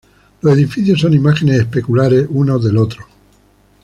Los edificios son imágenes especulares uno del otro.